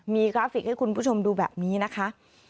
มีกราฟิกให้คุณผู้ชมดูแบบนี้นะคะ